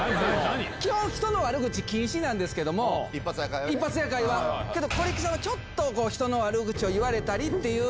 基本、人の悪口禁止なんですけども、一発屋会は、でも小力さんはちょっと人の悪口を言われたりっていう。